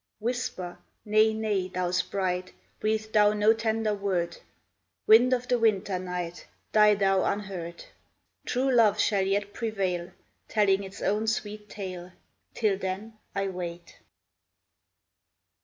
Whisper — Nay, nay, thou sprite, Breathe thou no tender word ; Wind of the winter night, Die thou unheard. True love shall yet prevail, Telling its own sweet tale : Till then I wait.